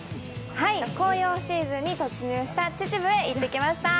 紅葉シーズンに突入した秩父へ行ってきました。